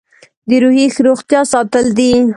د روحي روغتیا ساتل دي.